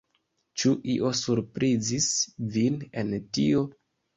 Ĉu io surprizis vin en tio?